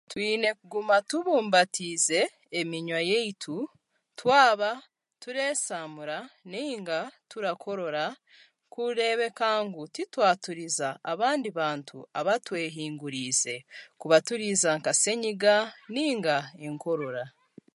Twine kuguma tubumbatiize eminwa yaitu twaba tureesyamura nainga turakorera kureebeeka ngu titwaturiza abandi bantu abatwehinguruririize